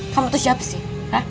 kamu tuh siapa sih